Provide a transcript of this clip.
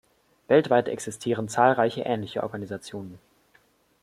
Weltweit existieren zahlreiche ähnliche Organisationen.